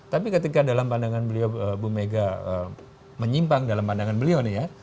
tapi ketika dalam pandangan beliau bu mega menyimpang dalam pandangan beliau nih ya